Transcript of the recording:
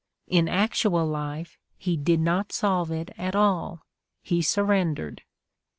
In actual life he did not solve it at all; he surrendered.